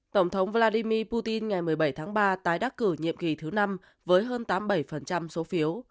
tổng thống vladimir putin ngày một mươi bảy tháng ba tái đắc cử nhiệm kỳ thứ năm với hơn tám mươi bảy số phiếu